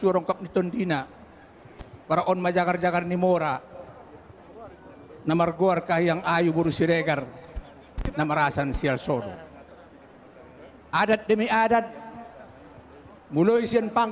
lairi manawetka peraletupang